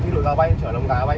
hay chở gà bằng cái gì